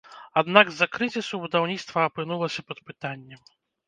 Аднак з-за крызісу будаўніцтва апынулася пад пытаннем.